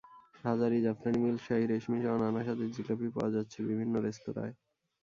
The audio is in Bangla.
হাজারি, জাফরানি মিল্ক, শাহি, রেশমিসহ নানা স্বাদের জিলাপি পাওয়া যাচ্ছে বিভিন্ন রেস্তোরাঁয়।